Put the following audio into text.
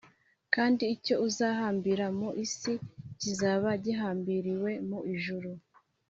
kandi icyo uzahambira mu isi kizaba gihambiriwe mu ijuru,